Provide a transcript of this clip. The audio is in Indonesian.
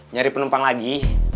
nyari penumpang lagi